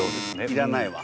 いらないわ。